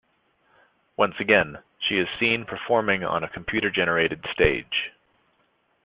Once again, she is seen performing on a computer-generated stage.